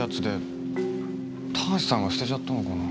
田橋さんが捨てちゃったのかな。